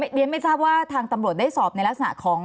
เรียนไม่ทราบว่าทางตำรวจได้สอบในลักษณะของ